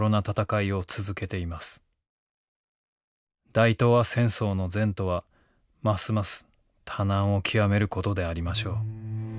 「大東亜戦争の前途は益々多難を極める事でありましょう。